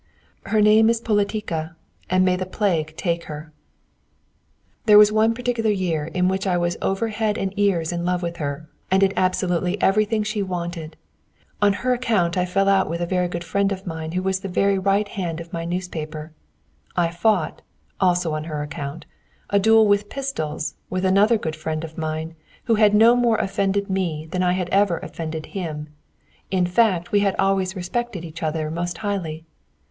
Her name is Politica, and may the plague take her. [Footnote 114: Politics.] There was one particular year in which I was over head and ears in love with her, and did absolutely everything she wanted. On her account I fell out with a good friend of mine who was the very right hand of my newspaper. I fought (also on her account) a duel with pistols with another good friend of mine, who had no more offended me than I had ever offended him, in fact, we had always respected each other most highly.